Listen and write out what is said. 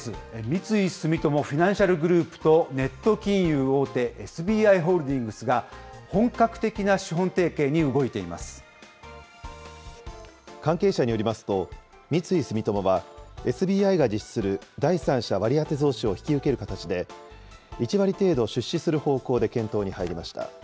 三井住友フィナンシャルグループと、ネット金融大手、ＳＢＩホールディングスが、関係者によりますと、三井住友は、ＳＢＩが実施する第三者割当増資を引き受ける形で、１割程度出資する方向で検討に入りました。